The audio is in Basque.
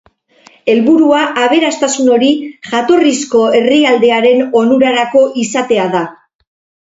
Helburua aberastasun hori jatorrizko herrialdearen onurarako izatea da.